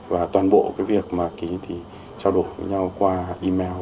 và toàn bộ cái việc mà ký thì trao đổi với nhau qua email